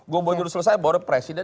gubernur selesai baru presiden